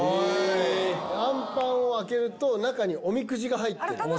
あんぱんを開けると、中におみくじが入ってる。